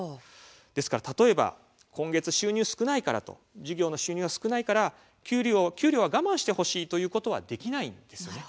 ですので、例えば、今月事業の収入が少ないから給料は我慢してほしいということはできないんです。